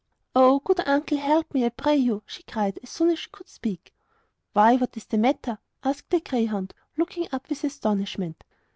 'Oh, good uncle, help me, I pray you!' she cried, as soon as she could speak. 'Why, what is the matter?' asked the greyhound, looking up with astonishment.